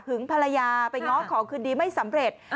ภรรยาไปง้อขอคืนดีไม่สำเร็จ